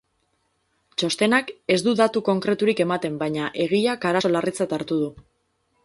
Txostenak ez du datu konkreturik ematen, baina egileak arazo larritzat hartu du.